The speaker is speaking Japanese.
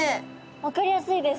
分かりやすいです